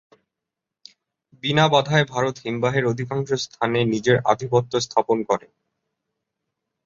বিনা বাধায় ভারত হিমবাহের অধিকাংশ স্থানে নিজের আধিপত্য স্থাপন করে।